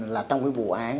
là trong cái vụ án